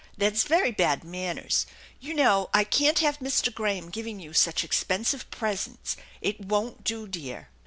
That's very bad manners. You know I can't have Mr. Graham giving you such expensive presents; it won't do, dear."